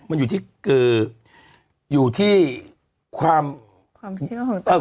มันอยู่ที่ความเชื่อของแต่ละคน